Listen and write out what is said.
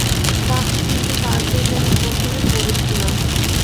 বাহ, কিন্তু তার প্রেমে আমি প্রথমে পড়েছিলাম।